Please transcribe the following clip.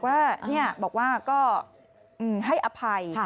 แล้วก็บอกว่าให้อภัย